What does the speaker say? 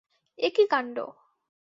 এ কী কাণ্ড!